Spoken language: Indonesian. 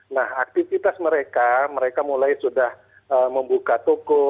nah aktivitas mereka mereka mulai sudah membuka toko